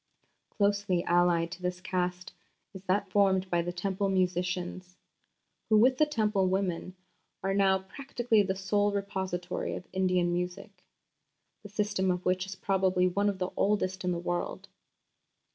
Closely allied to this Caste is that formed by the Temple musicians, who with the Temple woman are "now practically the sole repository of Indian music, the system of which is probably one of the oldest in the world."